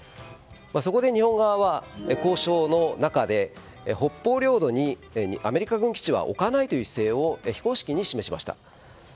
そこで日本側は交渉の中で北方領土にアメリカ軍基地は置かないという姿勢を非公式に示しました。